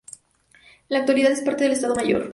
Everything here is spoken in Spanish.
En la actualidad es parte del Estado Mayor.